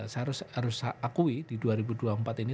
saya harus akui di dua ribu dua puluh empat ini